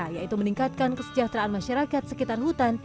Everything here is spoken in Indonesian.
yaitu meningkatkan kesejahteraan masyarakat sekitar hutan